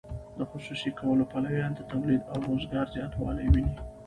د خصوصي کولو پلویان د تولید او روزګار زیاتوالی ویني.